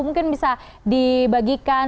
mungkin bisa dibagikan